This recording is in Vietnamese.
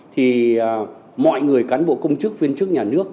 thì mọi người cán bộ công chức viên chức nhà nước